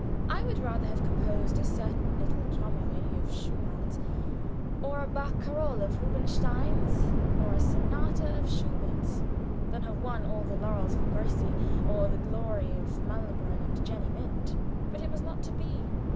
I would rather have composed a certain little "Traumerei" of Schumann's or a "Barcarole" of Rubinstein's, or a sonata of Schubert's than have won all the laurels of Grisi, all the glory of Malibran and Jenny Lind. But it was not to be.